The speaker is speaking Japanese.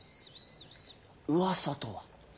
うわさとは？